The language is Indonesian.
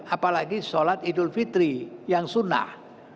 apalagi sholat idul fitri yang sunnah